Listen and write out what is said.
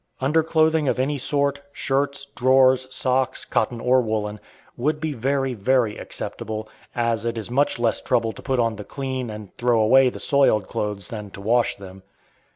Underclothing of any sort, shirts, drawers, socks, cotton or woollen, would be very, very acceptable, as it is much less trouble to put on the clean and throw away the soiled clothes than to wash them.